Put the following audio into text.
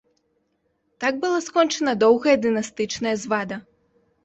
Так была скончана доўгая дынастычная звада.